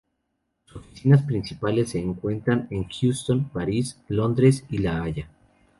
Sus oficinas principales se encuentran en Houston, París, Londres, y La Haya.